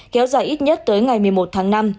kéo dài ít nhất tới ngày một mươi một tháng năm